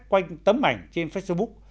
quanh tấm ảnh trên facebook